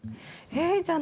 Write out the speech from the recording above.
はい。